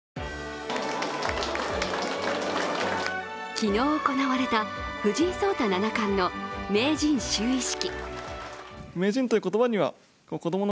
昨日、行われた藤井聡太七冠の名人就位式。